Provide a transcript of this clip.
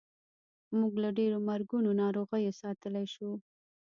موږ له ډېرو مرګونو ناروغیو ساتلی شو.